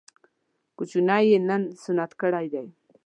کوچنی يې نن سنت کړی دی